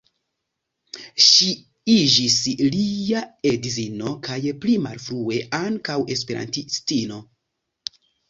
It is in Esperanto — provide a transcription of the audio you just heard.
Ŝi iĝis lia edzino kaj pli malfrue ankaŭ esperantistino.